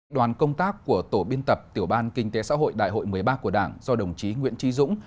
đoàn công tác của tổ biên tập tiểu ban kinh tế xã hội đại hội một mươi ba của đảng do đồng chí nguyễn trí dũng